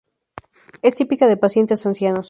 Es típica de pacientes ancianos.